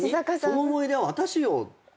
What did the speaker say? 「その思い出は私よ」